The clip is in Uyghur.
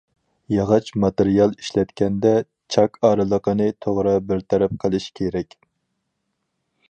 ياغاچ ماتېرىيال ئىشلەتكەندە، چاك ئارىلىقىنى توغرا بىر تەرەپ قىلىش كېرەك.